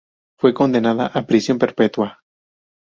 Fue condenada a prisión perpetua.